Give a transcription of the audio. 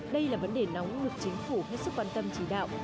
đây là vấn đề nóng được chính phủ hết sức quan tâm chỉ đạo